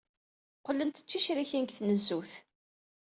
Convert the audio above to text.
Qqlent d ticrikin deg tnezzut.